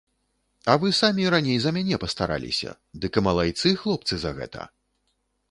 А вы самі раней за мяне пастараліся, дык і малайцы, хлопцы, за гэта.